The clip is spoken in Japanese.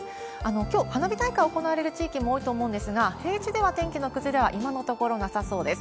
きょう花火大会行われる地域も多いと思うんですが、平地では天気の崩れは今のところなさそうです。